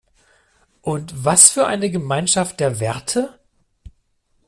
Und was für eine Gemeinschaft der Werte?